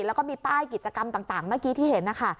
แล้วก็มีป้ายกิจกรรมต่างเมื่อกี้ที่เห็นนะคะ